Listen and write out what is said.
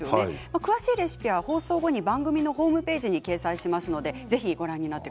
詳しいレシピは放送後に番組ホームページに掲載します。